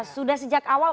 sudah sejak awal